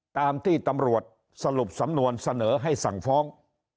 ตามที่ตำรวจสรุปสำนวนเสนอให้สั่งฟ้อง